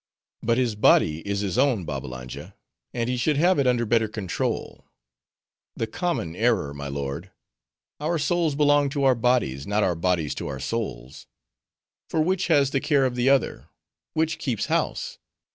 "But his body is his own, Babbalanja; and he should have it under better control." "The common error, my lord. Our souls belong to our bodies, not our bodies to our souls. For which has the care of the other? which keeps house?